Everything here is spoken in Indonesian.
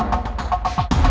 pulang mukanya bad mood gitu